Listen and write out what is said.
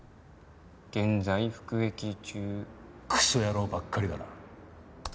「現在服役中」クソ野郎ばっかりだな。